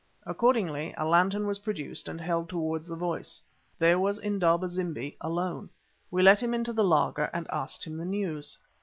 Accordingly a lantern was produced and held towards the voice. There was Indaba zimbi alone. We let him into the laager and asked him the news.